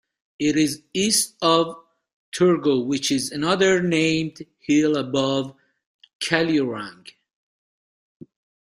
It is east of Turgo, which is another named hill above Kaliurang.